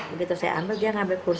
begitu saya ambil dia ngambil kursi